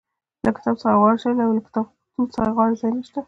له کتاب څخه غوره شی او له کتابتون څخه غوره ځای نشته.